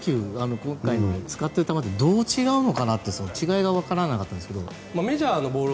今回の使っているためってどうなっているのかなと違いがわからなかったんですが。